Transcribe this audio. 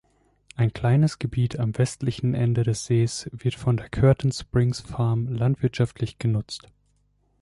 Ein kleines Gebiet am westlichen Ende des Sees wird von der Curtin-Springs-Farm landwirtschaftlich genutzt.